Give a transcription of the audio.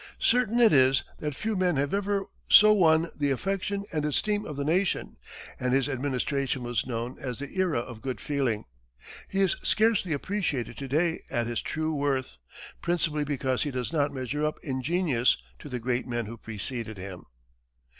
Certain it is that few men have ever so won the affection and esteem of the nation, and his administration was known as the "era of good feeling." He is scarcely appreciated to day at his true worth, principally because he does not measure up in genius to the great men who preceded him.